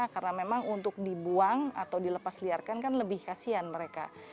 karena memang untuk dibuang atau dilepasliarkan kan lebih kasihan mereka